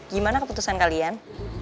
gimana keputusan kalian